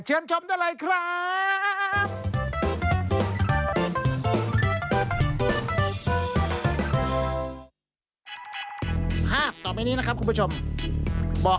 เชิญชมได้เลยครับ